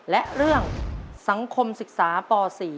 และเรื่องสังคมศึกษาป๔